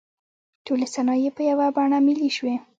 ټولې صنایع په یوه بڼه ملي شوې.